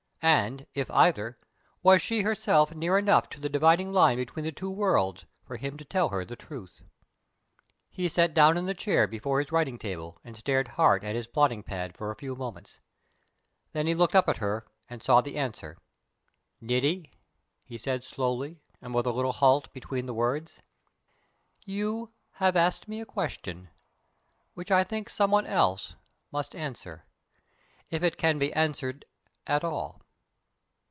And, if either, was she herself near enough to the dividing line between the two worlds for him to tell her the truth? He sat down in the chair before his writing table and stared hard at his plotting pad for a few moments. Then he looked up at her and saw the answer. "Niti," he said slowly, and with a little halt between the words, "you have asked me a question which I think some one else must answer, if it can be answered at all.